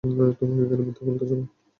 তোমাকে কেন মিথ্যা বলতে যাব?